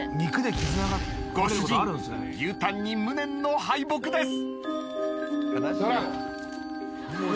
牛タンに無念の敗北です。